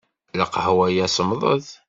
Lqahwa-ya semmḍet.